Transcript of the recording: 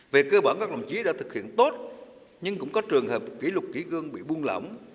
về cơ bản các đồng chí đã thực hiện tốt nhưng cũng có trường hợp kỷ lục kỷ gương bị buông lỏng